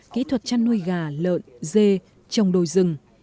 kỹ thuật chăn nuôi gà lợn dê trồng đồi rừng